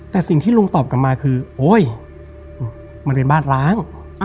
แต่สิ่งที่ลุงตอบกลับมาคือโอ๊ยมันเป็นบ้านร้าง